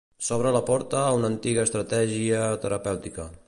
S'obre la porta a una antiga estratègia terapèutica.